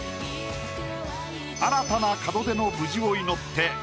新たな門出の無事を祈って。